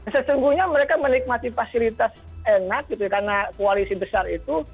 sesungguhnya mereka menikmati fasilitas enak gitu ya karena koalisi besar itu